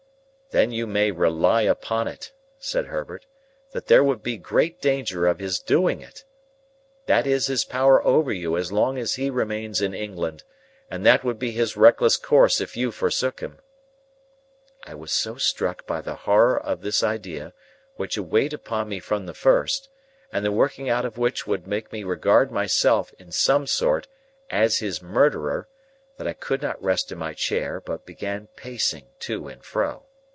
"Then you may rely upon it," said Herbert, "that there would be great danger of his doing it. That is his power over you as long as he remains in England, and that would be his reckless course if you forsook him." I was so struck by the horror of this idea, which had weighed upon me from the first, and the working out of which would make me regard myself, in some sort, as his murderer, that I could not rest in my chair, but began pacing to and fro.